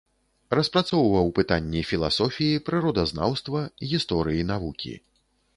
Распрацоўваў пытанні філасофіі прыродазнаўства, гісторыі навукі.